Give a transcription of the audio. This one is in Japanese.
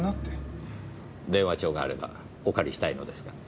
電話帳があればお借りしたいのですが。